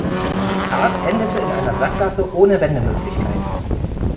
Die Fahrt endete in einer Sackgasse ohne Wendemöglichkeit.